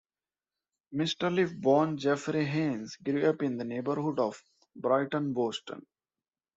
Mr. Lif, born Jeffrey Haynes, grew up in the neighborhood of Brighton, Boston.